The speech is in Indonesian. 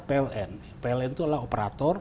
pln pln itu adalah operator